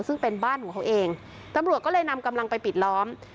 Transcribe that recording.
ซึ่งเป็นบ้านของเขาเองตำรวจก็เลยนำกำลังไปปิดล้อม